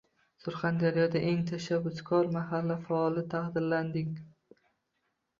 Surxondaryoda eng tashabbuskor mahalla faollari taqdirlanding